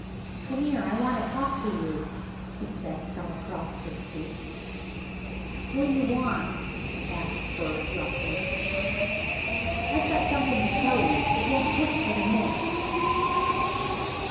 "Come here, I want to talk to you," he said, from across the street. "What do you want?" asked Bert roughly. "I've got something to tell you. It won't take but a minute."